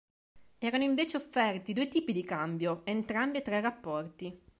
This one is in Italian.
Erano invece offerti due tipi di cambio, entrambi a tre rapporti.